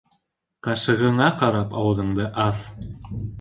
Ҡашығыңа ҡарап ауыҙыңды ас.